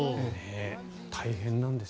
大変なんです。